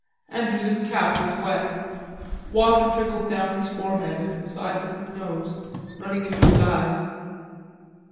Andrews's cap was wet; water trickled down his forehead and the sides of his nose, running into his eyes.